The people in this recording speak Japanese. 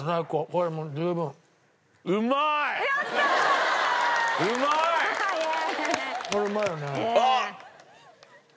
これうまいよね。